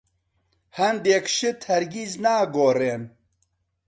هەندێک شت هەرگیز ناگۆڕێن.